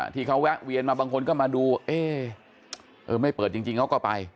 ที่เขาแวะเวียนมาบางคนก็มาดูเอ๊ะไม่เปิดจริงเขาก็ไป